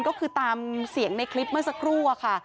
ก็คือตามเสียงในคลิปเมื่อสักครู่อะค่ะ